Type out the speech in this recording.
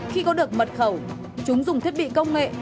khi có được mật khẩu chúng dùng thiết bị công nghệ